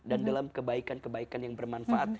dan dalam kebaikan kebaikan yang bermanfaat